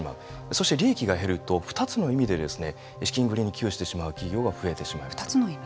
そして利益が減ると２つの意味で資金繰りに窮してしまう企業が増えてしまう。